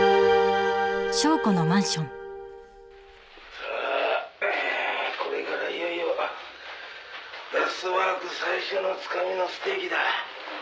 「さあこれからいよいよ『ラストワーク』最初のつかみのステーキだ」